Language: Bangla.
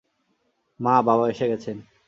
মা, বাবা এসে গেছেন!